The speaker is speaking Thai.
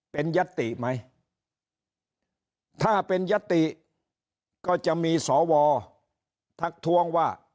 เป็นยัตติไหมถ้าเป็นยติก็จะมีสวทักทวงว่า